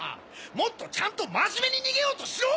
もっとちゃんとまじめに逃げようとしろ！